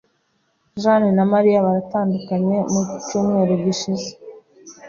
Janne na Maria baratandukanye mu cyumweru gishize.